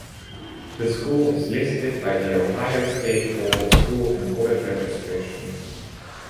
The school is listed by the Ohio State Board of School and College Registration.